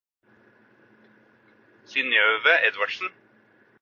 Synøve Edvardsen